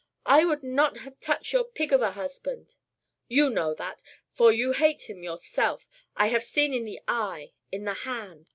I would not have touch your pig of a husband. You know that, for you hate him yourself. I have see in the eye, in the hand.